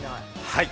◆はい。